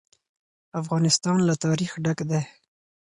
افغانستان له تاریخ ډک دی.